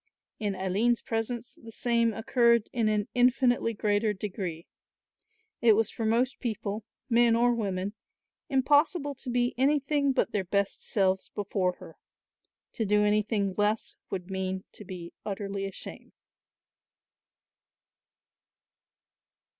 In Aline's presence the same occurred in an infinitely greater degree. It was for most people, men or women, impossible to be anything but their best selves before her; to do anything less would mean to be utterly ashamed.